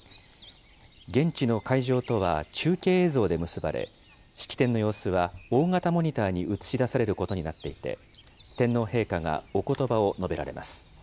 現地の会場とは中継映像で結ばれ、式典の様子は、大型モニターに映し出されることになっていて、天皇陛下がおことばを述べられます。